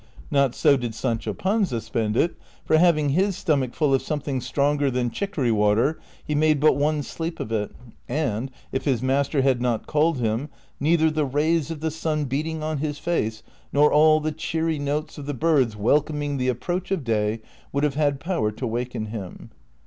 Not so did Sancho Panza spend it, for having his stomach full of something stronger than chiccory water he made but one sleep of it, and, if his master had not called him, neither the rays of the sun beating on his face nor all the cheery notes of the birds welcoming the approach of day Avould have had power to waken him.